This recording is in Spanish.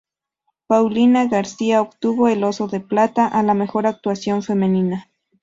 Paulina García obtuvo el Oso de Plata a la mejor actuación femenina.